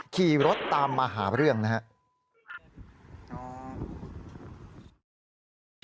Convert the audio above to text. ขี่รถตามมาหาเรื่องนะครับ